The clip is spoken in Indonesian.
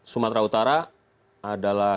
sumatera utara adalah